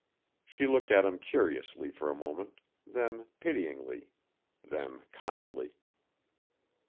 She looked at him curiously for a moment, then pityingly, then kindly.